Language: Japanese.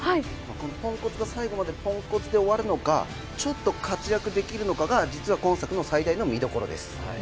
このポンコツが最後までポンコツで終わるのか、ちょっと活躍できるのかが実は今作の最大の見どころです。